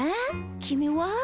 きみは？